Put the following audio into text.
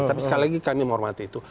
tapi sekali lagi kami menghormati itu